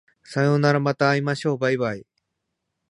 さようならまた明日会いましょう baibai